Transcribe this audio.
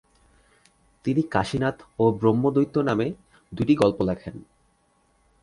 তিনি 'কাশীনাথ' ও 'ব্রহ্মদৈত্য' নামে দুটি গল্প লেখেন।